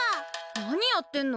何やってんの？